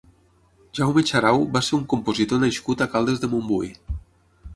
Jaume Xarau va ser un compositor nascut a Caldes de Montbui.